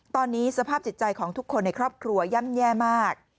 ตอนนี้สภาพจิตใจของทุกคนในครอบครัวย่ำแย่มาก